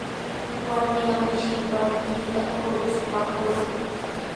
Warmiqa mishinpa rinrinta ruquskapurqan.